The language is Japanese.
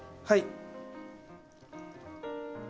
はい。